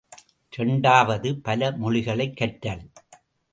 இரண்டாவது பல மொழிகளைக் கற்றல்.